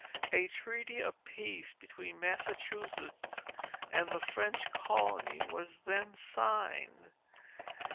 A treaty of peace, between Massachusetts and the French colony, was then signed."